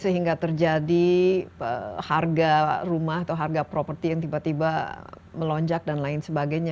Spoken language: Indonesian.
sehingga terjadi harga rumah atau harga properti yang tiba tiba melonjak dan lain sebagainya